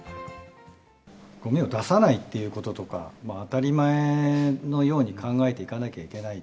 ごみを出さないっていうこととか、当たり前のように考えていかなきゃいけない。